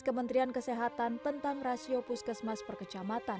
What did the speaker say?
kementerian kesehatan tentang rasio puskesmas per kecamatan